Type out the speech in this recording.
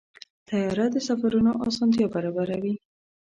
طیاره د سفرونو اسانتیا برابروي.